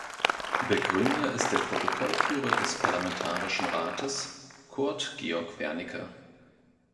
Begründer ist der Protokollführer des Parlamentarischen Rates, Kurt Georg Wernicke.